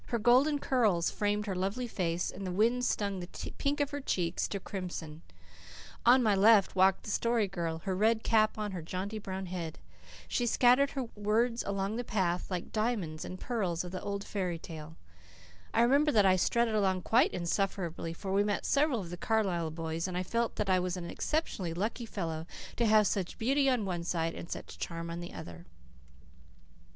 Her golden curls framed her lovely face, and the wind stung the pink of her cheeks to crimson. On my left hand walked the Story Girl, her red cap on her jaunty brown head. She scattered her words along the path like the pearls and diamonds of the old fairy tale. I remember that I strutted along quite insufferably, for we met several of the Carlisle boys and I felt that I was an exceptionally lucky fellow to have such beauty on one side and such charm on the other.